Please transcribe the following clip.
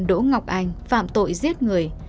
đỗ ngọc anh phạm tội giết người